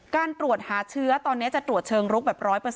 การตรวจหาเชื้อตอนนี้จะตรวจเชิงลุกแบบ๑๐๐